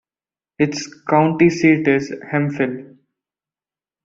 Its county seat is Hemphill.